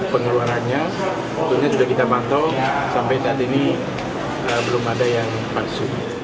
pengeluarannya tentunya sudah kita pantau sampai saat ini belum ada yang palsu